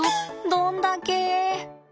どんだけ。